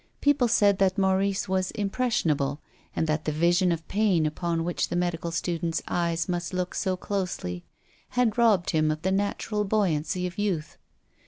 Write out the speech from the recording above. People said that Maurice was impression able, and that the vision of pain upon which the medical student's eyes must look so closely had robbed him of the natural buoyancy of youth.